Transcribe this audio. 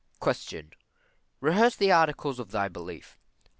Q. Rehearse the Articles of thy Belief.